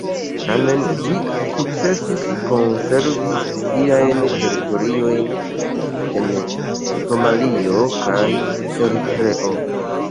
Tamen ĝi sukcesis konservi siajn teritoriojn en Somalio kaj Eritreo.